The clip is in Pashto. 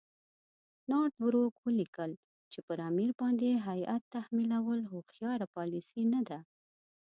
نارت بروک ولیکل چې پر امیر باندې هیات تحمیلول هوښیاره پالیسي نه ده.